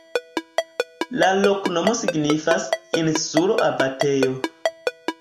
La loknomo signifas: insulo-abatejo.